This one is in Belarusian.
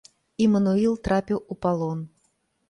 Імануіл трапіў у палон.